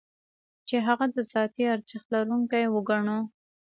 چې هغه د ذاتي ارزښت لرونکی وګڼو.